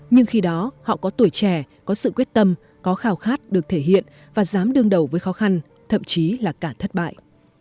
nhưng khi đó họ có tuổi trẻ có sự quyết tâm có khảo khát được thể hiện và dám đương đầu với khó khăn thậm chí là cả thất bại